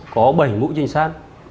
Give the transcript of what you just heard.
có bảy mũi trinh sát